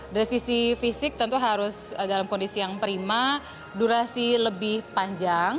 dari sisi fisik tentu harus dalam kondisi yang prima durasi lebih panjang